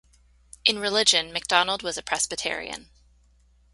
In religion, McDonald was a Presbyterian.